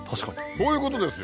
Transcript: そういうことです。